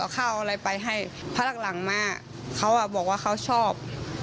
ข้าวอะไรไปให้พักหลังมาเขาบอกว่าเขาชอบ